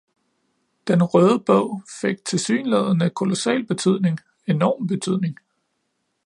Den lille røde bog fik tilsyneladende kolossal betydning, enorm betydning.